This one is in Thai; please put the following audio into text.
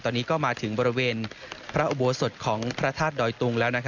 ตอนนี้ก็มาถึงบริเวณพระอุโบสถของพระธาตุดอยตุงแล้ว